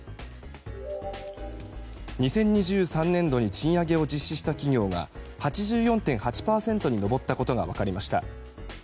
２０２３年度に賃上げを実施した企業が８４．８％に上ったことが分かりました。